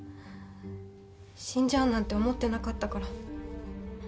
死んじゃうなんて思ってなかったから。